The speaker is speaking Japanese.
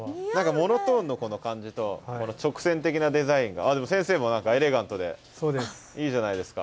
モノトーンのこの感じとこの直線的なデザインが先生もエレガントでいいじゃないですか。